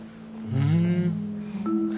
うん。